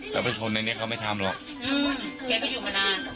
แต่เป็นคนในนี้เขาไม่ทำหรอกแกก็อยู่มานาน